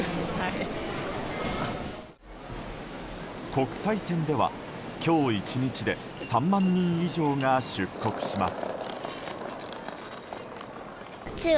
国際線では、今日１日で３万人以上が出国します。